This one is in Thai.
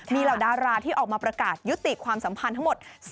มีเหล่าดาราที่ออกมาประกาศยุติความสัมพันธ์ทั้งหมด